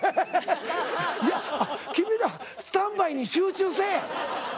いや君らスタンバイに集中せえ！